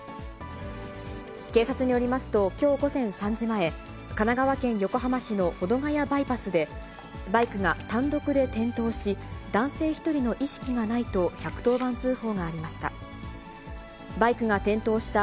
警察によりますと、きょう午前３時前、神奈川県横浜市の保土ヶ谷バイパスで、バイクが単独で転倒し、男性１人の意識がないと１１０番通報がありました。